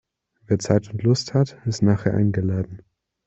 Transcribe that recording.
Wer Zeit und Lust hat, ist nachher eingeladen.